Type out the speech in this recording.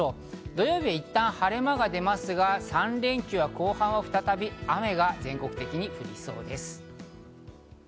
土曜日はいったん晴れ間が出ますが３連休後半は再び雨が全国的に降りそうです。